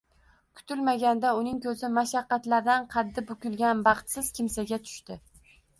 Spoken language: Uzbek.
Kutilmaganda uning ko`zi mashaqqatlardan qaddi bukilgan baxtsiz kimsaga tushdi